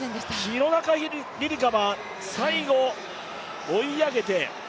廣中璃梨佳は最後、追い上げて。